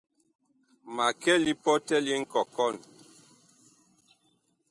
Ma kɛ lipɔtɛ li nkɔkɔn.